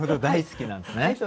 大好きなんですね。